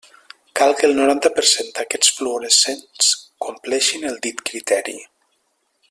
Cal que el noranta per cent d'aquests fluorescents compleixin el dit criteri.